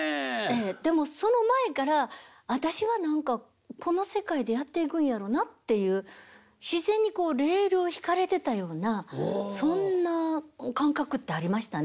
でもその前から私は何かこの世界でやっていくんやろなっていう自然にレールを敷かれてたようなそんな感覚ってありましたね。